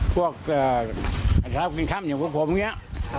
พวกสาวกินข้ำอย่างกว่าผมเนี่ย